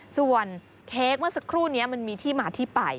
ส่วนเค้กเมื่อสักครู่นี้มันมีที่มาที่ไป